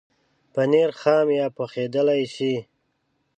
پنېر خام یا پخېدلای شي.